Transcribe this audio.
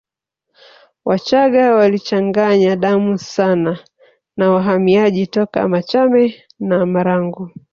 Wachaga walichanganya damu sana na wahamiaji toka Machame na Marangu